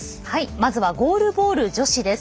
まずはゴールボール女子です。